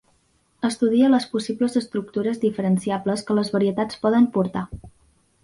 Estudia les possibles estructures diferenciables que les varietats poden portar.